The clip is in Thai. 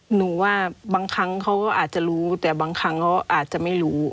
หนูว่าบางครั้งเขาก็อาจจะรู้แต่บางครั้งเขาอาจจะไม่รู้